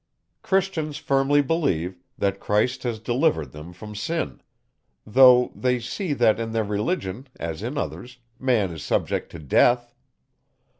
Christians firmly believe, that Christ has delivered them from sin; though they see, that, in their Religion, as in others, man is subject to Death.